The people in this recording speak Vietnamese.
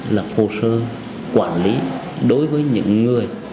lập hồ sơ quản lý đối với những người